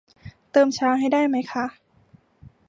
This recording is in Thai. เติมชาให้ได้ไหมคะ